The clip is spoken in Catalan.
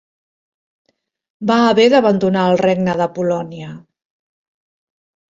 Va haver d'abandonar el regne de Polònia.